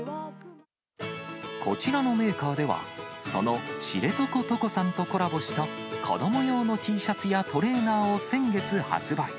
こちらのメーカーでは、その知床トコさんとコラボした、子ども用のＴシャツやトレーナーを先月発売。